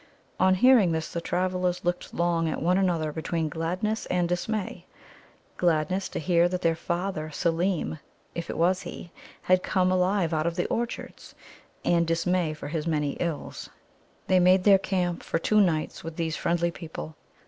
On hearing this, the travellers looked long at one another between gladness and dismay gladness to hear that their father Seelem (if it was he) had come alive out of the Orchards, and dismay for his many ills. They made their camp for two nights with these friendly people.